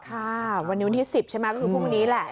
ค่ะวันนี้วันที่๑๐ใช่ไหมก็คือพรุ่งนี้แหละ